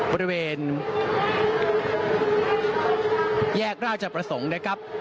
บริเวณแยกราชประสงค์นะครับ